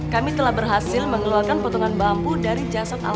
kami telah berhasil mengeluarkan potongan bambu dari jasad almar